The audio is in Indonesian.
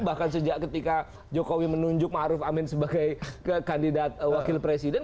bahkan sejak ketika jokowi menunjuk ⁇ maruf ⁇ amin sebagai kandidat wakil presiden